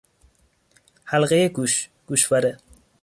حلقهی گوش، گوشواره